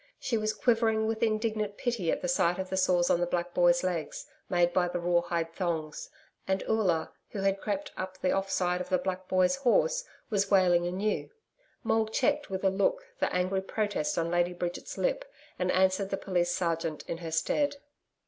She was quivering with indignant pity at sight of the sores on the black boy's legs made by the raw hide thongs, and Oola, who had crept up the off side of the black boy's horse, was wailing anew. Maule checked with a look the angry protest on Lady Bridget's lip and answered the Police Sergeant in her stead.